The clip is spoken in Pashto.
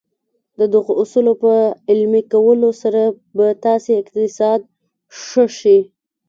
د دغو اصولو په عملي کولو سره به ستاسې اقتصاد ښه شي.